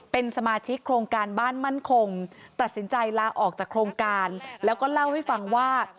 เป็นสมาชิกโครงการบ้านมั่นคงตัดสินใจลาออกจากโครงการแล้วก็เล่าให้ฟังว่า